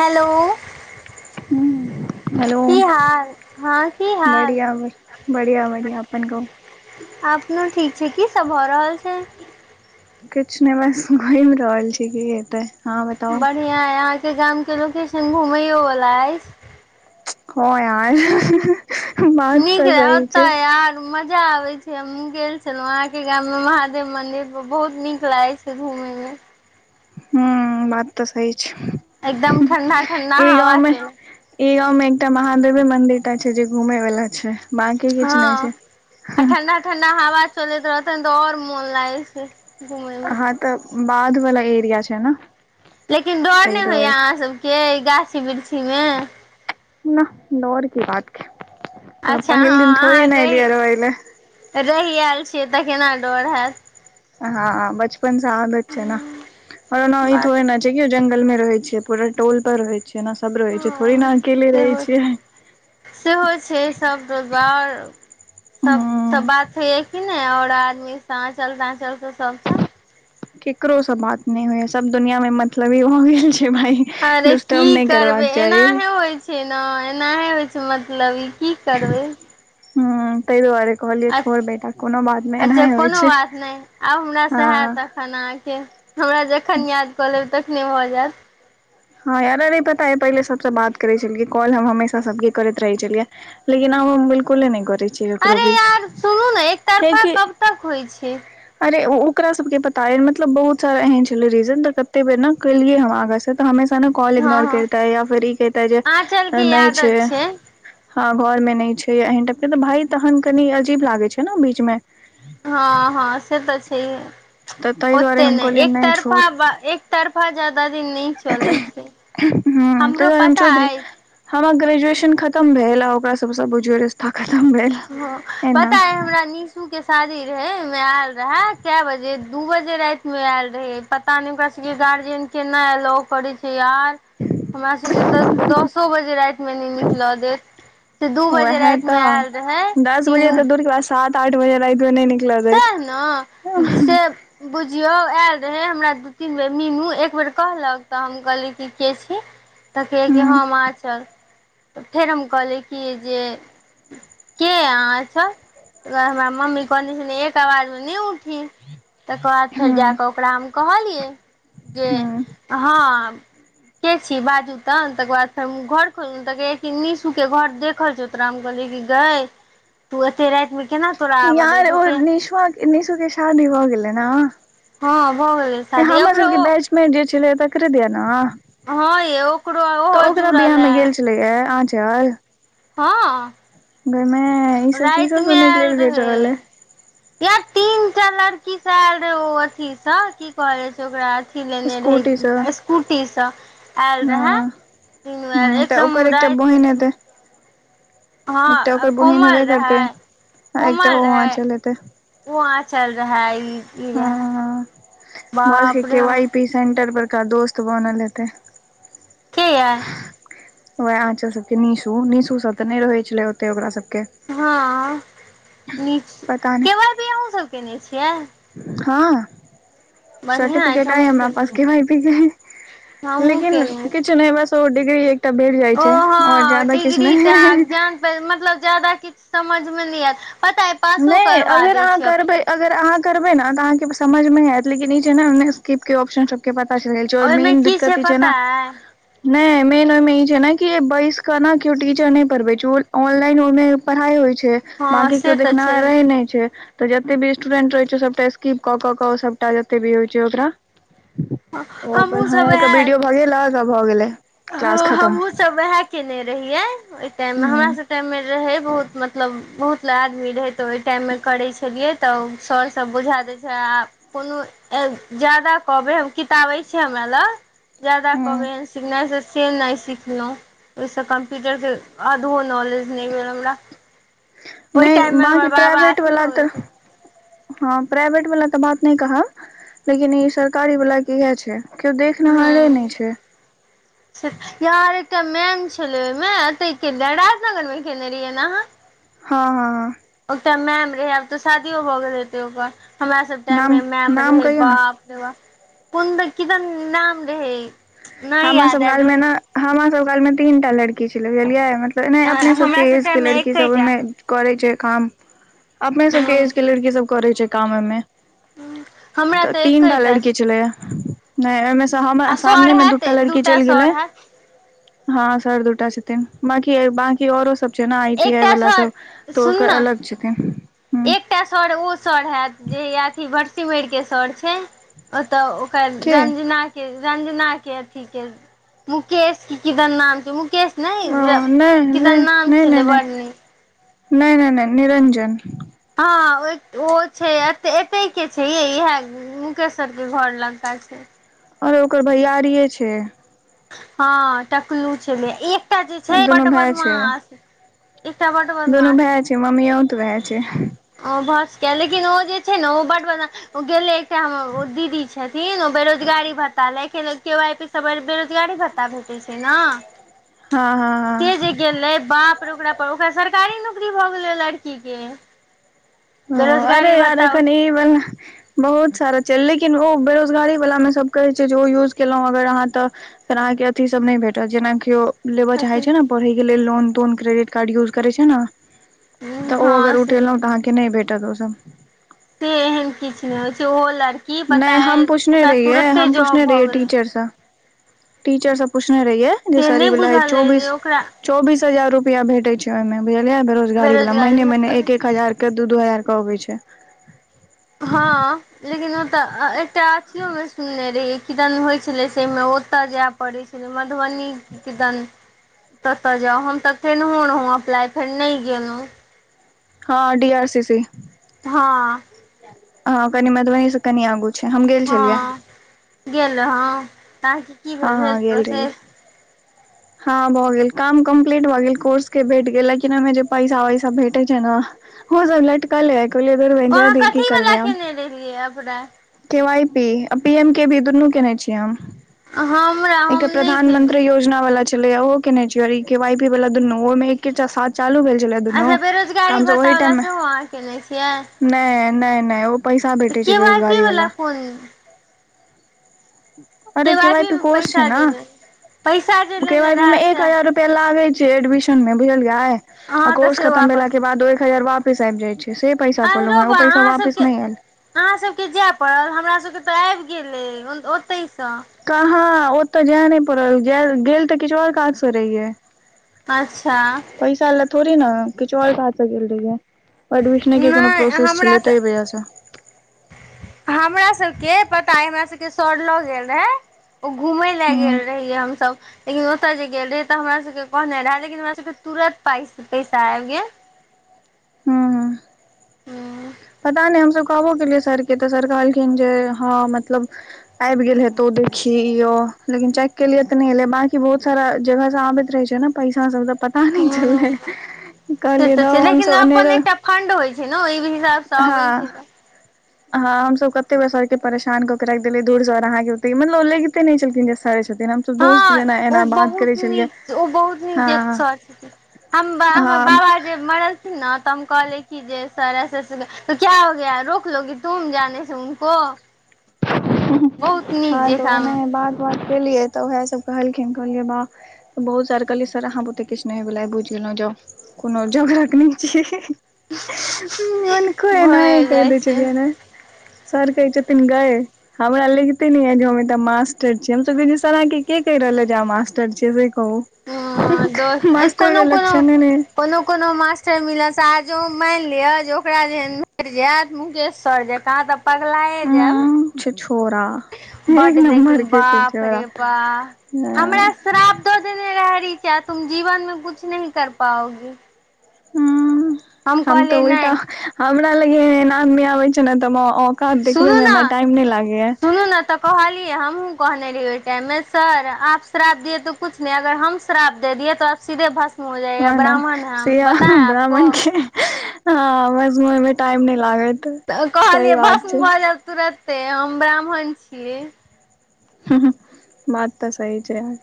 हलो। हूँ। हेलो! हाल हँ की हाल बढ़िया -बढ़िआ -बढ़िआ अपन कहु। अपनो ठीक छी, की सब भऽ रहल छैय? किछु नहि बस घुमि रहल छी, की हेतै, अहाॅं बताउ? यै यहाँ के गाम के लोकेशन घूमेयो वाला एइछ। हऽ यार! बात नीक तऽ रहे सही छैय। ओतय यार मजा आबैय छै, हम गेल छलौ हँ, आहाँ के गाम मे महादेव मंदिर बहुत नीक लागै छैय। घुमैयला। हुँ, बात तऽ सही छैय। एकदम ठण्डा -ठण्डा हवा चलू। ई गाॅंव मे एकटा महादेव मंदिर टा छै, जे घूमैय वाला छैय। बाकी किछ नहि हँ आ छैय। ठंडा ठंडा हवा चलैत रहतै न, तऽ और मोन लागैय छै घुमैय में। अहाँ तऽ बाध वाला एरिया छैय ना। लेकिन डर नैं होइया अहाँसभके, गाछी वृक्षीमें। नह, डर की बात की, कुनो अच्छा पहिल हँ दिन थोड़े अहाँ ने एलियैया रहि रहैयला। रहि आयल छियै, तऽ केना डर हैत। हाॅं बचपन स आादत छै ने, पर ओहिनेतो बात एना जहियो जंगल में रहे छै, पूरा टोल पर रहे छै। जेना सब रहे छै, थोड़े हँ ने अकेले रहे सेहो छियै। सेहो छै, सब रोजगार, सब -सब हूँ बात। होयै कि नैं, और आदमी ऑंचल -ताॅंचल सबसऽ। केकरो से बात नहि होइया, सब दुनिया में मतलबी भ गेल छै भाइ। अरे की करबैय, एनाहे होइ छैय। छै ने एनाहे होइ छैय, मतलब की करबैय। हूँ ताहि दुआरे कहलियै अछ छोड़ बेटा कोनो बात नहि अच्छा! एनाहे होइ कोनो छै बात नहि, आउ हमरा से हँ हात। खानाके, हमरा जखन याद कऽ लेब, तखने भऽ जायत। हँ यार नहि पता यै, पहिले सभसँ बात करैत छलियै, कॉल हम हमेशा सभके करैत रहै छलियै। लेकिन आब हम 'बिल्कुल' ए नहि करैय अरे यार सुनू ने, एकतरफा कियाकि कब तक होइ छैय? अरे ओकरा सबके पता य, मतलब बहुत सारा एहन छले रीजन, तऽ कते बेर ने केलियै हम आगा सऽ। तऽ हमेशा ने कॉल हँ इग्नोर हँ करिता, या फिर ई कहिता जे आँचल के नहि आदत छैय। छै हाॅं घर में नैं छै, एहन टाप के तऽ भाई तहन कनी अजीब लागे छै ने, बीच में। हँ -हँ से तऽ छै, तऽ ताहि दुआरे ओते हम नहि कहलियै एक तरफा छोड़ ब एक तरफा ज्यदा दिन नै। [unintelligible] तैय दुआरे हम पता छोड़ अइ देलीयैं। हमर ग्रेजुएशन खत्म भेल, आ ओकरा सबसऽ बुझीयौं रिस्ता खत्म भेल। हँ, एना पता अय, हमरा निशुके शादी रहैय, ओहिमे आयल रहए काऽ बजे दू बजे राति में आयल रहे, पता न ओकरा सबके गार्जियन केना एलोउ करै छैय यार! हमरा सबके तऽ दसो बजे राति में नैं निकलऽ देत। से दू बजे उएह राति मे तऽ आयल रहैय, दस बजे तीनू। तऽ दूर के बाद सात आठ बजे राइत मे नइ निक सैह ने, से बुझियौ आयल रहे, हमरा दू तीन बेर, मीनू एक बेर कहलक, तऽ हम कहलीयैं कि के छी? तऽ कहै ह कि हम अंचल, तऽ फेर हम कहलिय कि जे के अहाॅं अंचल तैय दुआरे हमरा मम्मी कहने इने एक आवाज में नैय उठी, तकर बाद ह फेर जाकऽ ओकरा हम कहलियै। जे ह अहॉं के छि बाजू तऽ? तकऽ बाद फेर घर खोलपऽ त कहैय कि निशू के घर देखल छौ तोरा? हम कहलियै की गैइऽ ह [inaudible] तू अत्ते राइत में केना आबऽ यार देलकौ ओ के निशुआ के, निशु के शादी भऽ गेलै नऽ? हँ भऽ गेलै शादी, ओकरा ओ ने जे छलै तकरे दिया नऽ? हँ यै ओकरो तऽ ओहो ओकरा बियाह जुड़ल में ए गेल छलैया आँचल? हँ, गैमाय ई सब की राइत सब में सुनै के एऽल लेल भेट रहल अइ रहै। यार तीनटा लड़की स एऽल रहै ओ अथी स, की कहल छै ओकरा? कि लेने रहै? स्कूटी सँ एसकूटी स एऽल रहाऽ। हँ तीनु एऽल रहैऽ, तऽ एकदम ओकर एकटा राइत में बहिन दु हेतै बजे। एकटा हँ, आ ओकर बहिन कोमल हेबे करतै रहै, आ एकटा कोमल ओ रहै। आँचल हेतै ओ आँचल रहाऽ, ई-ई हँ रहाऽ, बस के बाप रे के हम वाई पी सेंटर पर का दोस्त बनल हेतेै। कियाऽ? वैह आँचल सबके निशू, निशू सब तऽ नै रहै छलै ओते ओकरा सबके? हँ, नीक छी, पता के नहि वाई पी अहुँ सब केने छियै? हँ बढ़िआँ अछि सर्टिफिकेट अइ हमहूँ हमरा पास केने के वाई पी के। हमहूँ लेकिन केने किछ नैय, बस ओ डिग्री तऽ बैइर्ह जाइ ओ छै, और जादा किछ नैय। मऽ-मतलब जादा किछ समझ में नैय ऐत, पता अइ पासो नैय करबा अगर दै अहाँ छै करबै, अगर अहाँ करबै न तऽ अहाँ के समझ में ऐत, लेकिन ई छै न अइ में स्किप के ऑप्शन सब के पता चैल गेल छै, और ओहिमे मेन की दिक्कत ई छै पता नऽ अइ नै मेन ओई में ई छै न, कि बैस क न कियो टिचर नैय पर्हबै छै, ओ ऑनलाइन ओ में परहाइ होइ छै। हँ से तऽ छैइहे। नैय छै, तऽ जत्ते भी स्टूडेंट रहै छै सबटा स्किप कऽ कऽ कऽ सबटा जत्ते भी होइ छै ओकरा ओ अपन हमहूँ ह‌ंई सब ह‌ंई क वएह बिडियो भगेलक आ भऽ गेलै। क्लास हँ खतम हमहुँ सब वैहैऽ केने रहियै ओई टाइम में, हमरा हूँ सब टाइम में रहै बहुत मतलब मतलब बहुत आदमी रहै तऽ, ओई टाइम में करै छलियै तऽ सऽर सब बुझा दै छला आ कोनो अ-जादा कहबै, हम किताब अईछे हमरा लऽग, जादा हूँ कहबै N C S S cell नैय सिखलौं, ओई स कम्पुइटर के आधो नॉलेज नैय भेल हमरा। ओहि नैय टाइम मे बांकी हमर बाबा प्राइवेट अथी वला भऽ तऽ गेलखिन हँ प्राइवेट वला तऽ बात नैय कहब, लेकिन ई सरकारी वला के यैह छै। केओ देख नहारे नैय छै। सीट यार एकटा मैन छलै ओइ में, एतै के दार रानगर में केने रइयै ने अहाँ? हँ-हँ-हँ। एकटा मैम रहै आब तऽ शादियो भऽ गेल हेतै ओकर, हमरा सब टाइम नाम में मैम नाम रहै, कहियौ ने बाप अरे बाह, कोन दैन किदैन नाम रहै। नहि हमर याद सब आबि काल में रहल न हमर सब काल में तीन टा लड़की छलै, बुझलियै? त एनै अपने अइ सबके हमरा सब एज के टाइम मे लड़की सब एकेटा ओमे करै छै काम अपने सब के हूँ एज के लड़की सब करै छै काम ओयमे। हमरा त तऽ तीनटा एकेटा लड़की छलैया नहि ओहिमे स हमा आ सामने सर मे दू हैत टा लड़की दूटा चल गेलै सर हैत हं सर दू टा छथिन बांकी बांकी औरो सब जेना आई टी आई एकटा वला सर सब तऽ सुन ओकर न अलग छथिन। हूँ एकटा सर ओ सर हैत जे अथि भटसिमरि के सर छै। ओत ओकर के रंजना रंजना के अथी के मुकेश कि किदन नाम छै मुकेश नहि ओ रा नहि किदन नहि नाम नहि नहि छलै नहि बर नीक। नहि नहि नहि निरञ्जन। हँ ओए ओ छै अते एतै के छै यै इएह मुकेश सबके घर लंगका छय। अरे ओकर भैयारीये छय। हँ टकलु छलै एकटा जे छै दुनू बड भाय छै ओ बदमाश एकटा बड बद दुनू भैय छै ममियौत भैय छै। ओ भ सकैयै लेकिन ओ जे छै ने ओ बड बदमा ओ गेलै एकटा हमर ओ दीदी छथिन ओ बेरोजगारी भत्ता लयके लेल केवाइसी सब [unintelligible] बेरोजगारी भता भेटय छय न हँ से हँ जे गेलै बाप ओकरा पर ओकरा सरकारी नौकरी भऽ गेलै ओ लड़की के। ओ अरे बेरोजगारी यार भत्ता अखन इ बला बहुत सारा छय लेकिन ओ बेरोजगारी बला मे सब कहय छै जे ओ यूज केलहुं अगर अहाँ तऽ फेर अहाँके अथि सब नहि भेटत जेनाकि ओ लेबऽ चाहे कथी छय न पढ़य के लेल लोन तोन क्रेडिट कार्ड यूज करै छै न। तऽ ओ अगर हँ से उठेलहुँ तऽ अहाँके नहि भेटत ओसभ। से एहन किछ नहि होइ छै, ओहो लड नहि हम पूछने रहियै हम जॉब पूछने भऽ रहियै गेलै टीचरस। टीचर स पूछने रहियै जे से सर नहि ई वला अइ बुझल जे चौबीस ओकरा चौबीस हजार रुपया भेटै छै ओहिमें बुझलियै बेरोजगारी बला महिने महिने एक एक हजार के दू दू हजार क अबय छै। हँ लेकिन ओत एकटा अथियो मे सुनने रहियै किदन होइ छलै सेमें ओतय जै पडय छलै मधुबनी कि किदन ततऽ जाउ हम तऽ केनहो रहौं अप्लाइ फेर नहि गेलौं। हँ डीआरसीसी। हँ हं कनि मधुबनी स कनि आगु छय। हँ गेल रहौं त अहांके कि हँ भेल भेल हँ गेल रहियै प्रोसेस? हँ भऽ गेल काम कम्प्लीट भऽ गेल कोर्स के भेट गेल लेकिन ओहिमे जे पैसा वैसा भेटे छै न ओ सब लटकले अय कहलियै धुरबहिं जै अहाँ दहि की कथीवला करबै आब। केने रहियै अप्लाइ के वाय पी आ पी एम के वी भी दुनू केने छियै हम। हमरा एकटा हम नहि केलियै प्रधानमंत्री योजना वला ऐलैयै ओहो केने छी और ई केवाइपी वला दुनू ओहोमे एके चासाथ चालू भेल छलै दुनू अच्छा तऽ बेरोजगारी हमसब ओहि भत्तावला टाइम मे सेहो अहाँ केने छियै नय नय नय ओ पैसा भेटय छय बेरोजगारी बला। ओइ [unintelligible] अरे के वाइ पी केवाइपी मे कोर्स छै पैसा ने, जे पैसा जे ओकर लेने बाद हमरा रहै एक सैह हजार रुप पया लागै छय एडमिशन मे बुझल यै आ अहाँ तऽ कोर्से से खतम वापस भेलाके बाद ओ एक हजार वापस वापस आबि जाय छै से पैसा कहलहुं आहिरो ये बा वो पैसा अहाँ वापिस सबके नहि आयल अहाँ सभके जाय परल, हमरा सभके तऽ आबि गेलै ओतहिसँ कहाँ ओतऽ जाय नहि पड़ल, जायल गेल तऽ किछु और काज स रहिये। अच्छा। पैसा ले थोड़े न किछु और काज स गेल रहिये। एडमिशने के कोनो नहि प्रोसेस हमरा छलै स तै वजह से हमरा सबके पता अय हमरा सबके सर ल गेल रहय ओ घूमेय ले हूं गेल रहियै हमसब लेकिन ओ ओतऽ जे गेल रहे तऽ हमरा सबके कहने रहे लेकिन हमरा सबके तुरत पाइ पैसा आबि गेल। हूँ। हूँ। पता नहि हमसभ कहबो केलियै सरके तऽ सर कहलखिन जे हँ मतलब आबि गेल हेतो देखियौ ओ लेकिन चेक केलिये तऽ नहि एले, बाकी बहुत सारा जगह स आबैत रहे छै ने। पइसा सब दऽ पता नहि चललै कहलियै धौ हमसभ अनेरो फण्ड होइ छै ने ओहि हिसाब से। हँ। हँ हमसब कते बेर सर के परेशान कऽ के राखि देलै हां हम सब कते बेर सर के परेशान क के राखि देलियै धुर जौ सर अहाँके, ओते मतलब लगिते नहि छलखिन जे सरे छथिन हं। [unintelligible] हँ ओ बहुत नीक ओ बहुत नीक हँ जे सर छथिन। हम बा हमर हँ बाबा के मरैस न तऽ हम कहलियै कि जे सर ऐसे, तो क्या हो गया रोक लोगी तुम जाने से उनको। बहुत नीक हँ त ओ जेकाँ एनाहे बात। गप केलियै तऽ उएह सभ सब कहलखिन कहलियै बाह त बहुत सारा कहलियै सर अहाँ बुते किछु नहि होेएबला अइ बुझि गेलो जाउ कोनो जोकड़क नै छी। हुनको एनाहे भए कहि जाइ दै छै छलियैन हें। सर कहय छथिन गै हमरा लैगते ने या जे हम एतऽ मास्टर छी हमसब कहै छीयै सर अहाँके के कहि रहल ए जे अहाँ मास्टर छीयै से हँ कहू। दोस्त मासटरके कोनो कोनो लक्षण ने ऐह। कोनो कोनो मास्टर मिलत से आ जँ मानि लिअ जे ओकरा जेहन भेटि जायत मुकेशसर जकाँ त पगलाए जेब। छीछोड़ा। बड लेकिन बाप रे बा हमरा श्राप द देने रहए रीचा तुम जीवन में कुछ नही कर पाओगी। हूँ हम तऽ कहलियै उल्टा नहि हमरा लग एहेन-एहेन आदमी आबै छै ने तऽ औकात देखबे में हमरा टाइम ने लागे या। सुनू ने तऽ कहलियै हमहुँ कहने रहिए ओहि टाइम में सर आप श्राप दिये तो कुछ नहि अगर हम श्राप दे दियए तो सीधे भस्म। हो जाइएगा वेहए न ब्राह्मण है से हम आ बताए आपको ब्राह्मण के भस्म होइ मे टाइम नहि लागत। तऽ सही कहलियै बात भस्म छै भऽ जएब तुरन्ते हम ब्राह्मण छीयै। हुं, बात तऽ सही छै यार।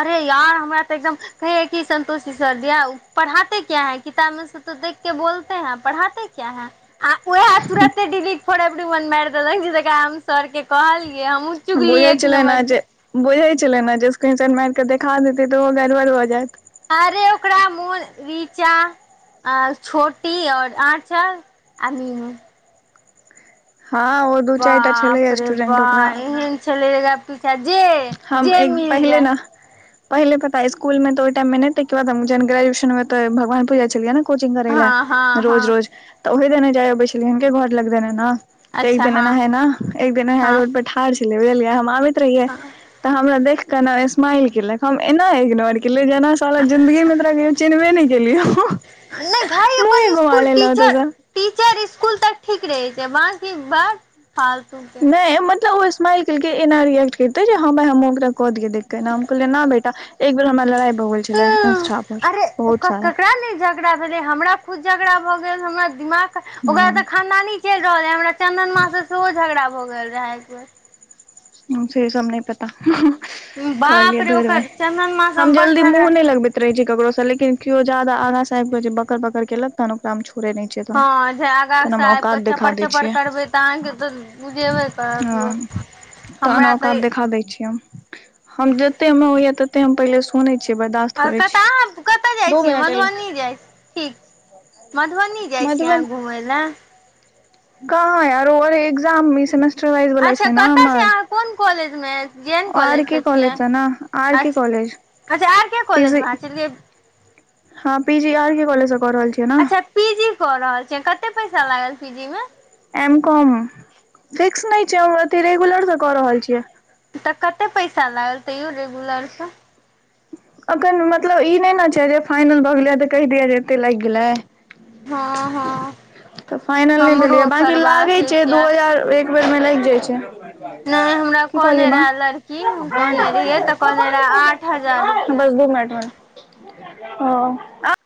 अरे यार हमरा तऽ एकदम। कहैया कि संतोष जी सर दिया उ पढ़ाते क्या है किताब मे से तो देख के बोलत हैं पढ़ाते क्या हैं, आ उहेए तुरऽते डिलीट फॉर एवरीवन मारि देलक। सर के कहलिये हमहूँ चुगलि बुझै एक छलै नम्बर ने के। जे बुझै छले ने जे स्क्रीन सॉट मारि के देखा देते तऽ ओहो गड़बड़ भऽ जैत। अरे ओकरा मोन रीचा। आर छोटी आओर आचल आ मीनु। हँ ओ। दू चारि टा बाप छलैया रे स्टूडेंट बा ओकरा एहन छलै आब पीछा जे हम जे एक मिल पहिले जाय। ने पहिले पता स्कुल मे तऽ ओहि टाइम मे नहि तैके बाद हम जहन ग्रेजुएशन मे तऽ भगवान पूर जाय छलियै ने। कोचिंग करै हँ लेए हँ हँ रोज- रोज। तऽ ओहि दने जाय अबै छलिए हुनके के घर लग दने ने तऽ एक अच्छा दिन हँ एनाहे न एक दिन एनाहे हँ रोड पर। ठाढ़ छलै बुझलियै हम आबैत रहियै। तऽ हमरा देख के न स्माइल केलक हम एना इग्नोर। केलिए जेना साला जिन्दगी मे तोरा कहियो चिनबे नै केलियौ। नई भाइ मुँहे अपन घुमा स्कुल लेलौं टीचर। ओतऽसँ टीचर स्कूल तक ठीक रहे छै बाकी ब। फालतू। नहि मतलब होइझे। स्मइल केलके एना रिएक्ट करते जे हा भाई हमहू ओकरा क दिए देखके एना हम कहलिये न बेटा एक बेर हमरा लड़ाई। गूगल छलैह इंस्टा पर बहुत सारा। ओकरा भेले हमरा खुद झगड़ा भऽ गेल हमरा दिमाग ओकरा हूँ तऽ खानदानी। चलि रहल रहय हमरा चंन्दनमा से सेहो झगड़ा भऽ गेल रहै एकबेर। से सब नै पता बेर बाप कहलियै रे धूरबैंह ओकर चंदन माँ से हम बड जल्दी मुंह झगड़ा नैह लगबे। रहे छै केकरो से लेकिन केओ जादा आगा से आब के जे बकड़ -बकड़ केलक तहन ओकरा हम छोड़े नहि छियै। तहन हँ जे आगाँ तहन से हम आब औकात कऽ देखा चपर दै चपर छियै करबै तऽ अहाँके दू। बुझेबै करत हँ लोक। तहन हमरा ओका तऽ देखा देै छीयै हम हम जेते हम होइया तते हम पहिले सुनै छीयै बर्दास्त। आओर कत अहां कतय जाइ छियै मधुबनी जाइ छी ठीक। मधुबनी जाइ छी अहाँ घुमय लए। कहां यार आओर एग्जाम सेमेस्टर वाइज बाला अच्छा छै ने कतय छै हमर। अहाँ कोन कॉलेज में। जेन आर कॉलेज के से छियै कॉलेज ने आर के अच्छ कॉलेज अच्छा आर के कॉलेज पीजी में अहां छलियै। हँ पी जी आर के कॉलेज से कऽ रहल छी। अच्छा पीजी कऽ रहल छियै कते पैसा लागल पीजी में। एम कॉम फिक्स नहि छै हम अथि रेगुलर से क रहल छियै। तऽ कते पैसा लागल तैयो रेगुलरसँ। अखन मतलब ई नहि ने छै जे फाइनल भऽ गेले तऽ कहि दिया जे एते लागि गेले। हँ हँ तऽ फाइनल नहि हमरो भेले बाकिं करबाक लागै छै अछि दू आ हजार। घबरमे लागि जाइत छै नहि हमरा की कहलिये कहने मां, रहए लड़की सब हम खाई ले कहने रहियै तऽ कहने रहए बैसल आठ हजार रुपैआ छै। दू मिनट में हंऽ।